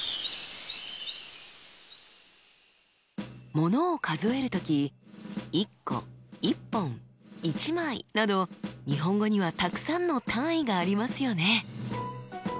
ものを数える時１個１本１枚など日本語にはたくさんの単位がありますよね。